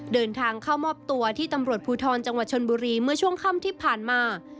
เดินทางเข้ามอบตัวที่ตำรวจภูทรจังหวัดชนบุรีเมื่อช่วงค่ำที่ผ่านมา